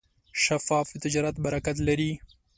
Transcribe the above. شفاف تجارت برکت لري.